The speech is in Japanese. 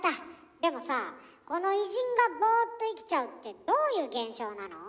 でもさぁこの偉人がボーっと生きちゃうってどういう現象なの？